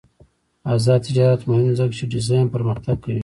آزاد تجارت مهم دی ځکه چې ډیزاین پرمختګ کوي.